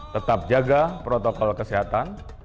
tetap jaga protokol kesehatan